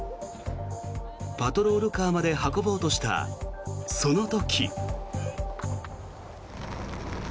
パトロールカーまで運ぼうとしたその時。